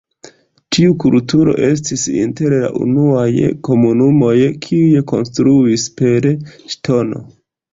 Tiu kulturo estis inter la unuaj komunumoj, kiuj konstruis per ŝtono.